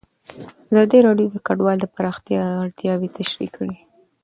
ازادي راډیو د کډوال د پراختیا اړتیاوې تشریح کړي.